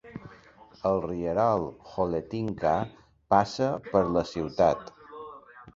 El rierol Holetínka passa per la ciutat.